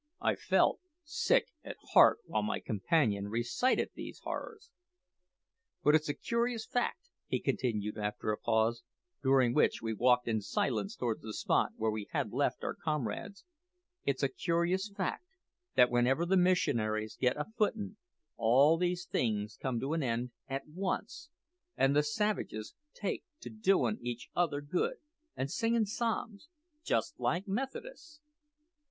I felt sick at heart while my companion recited these horrors. "But it's a curious fact," he continued after a pause, during which we walked in silence towards the spot where we had left our comrades "it's a curious fact that wherever the missionaries get a footin' all these things come to an end at once, an' the savages take to doin' each other good and singin' psalms, just like Methodists."